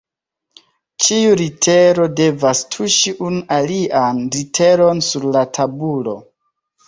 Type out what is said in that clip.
Ĉiu litero devas tuŝi unu alian literon sur la tabulo.